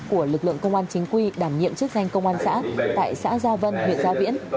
của lực lượng công an chính quy đảm nhiệm chức danh công an xã tại xã gia vân huyện gia viễn